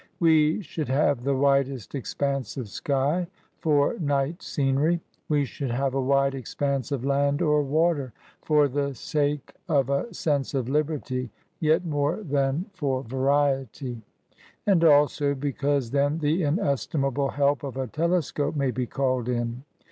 We should have the widest expanse of sky, for night scenery. We should have a wide expanse of land or water, for the sake of a sense of liberty, yet more than for variety ; and also because then the inestimable help of a telescope may be called in.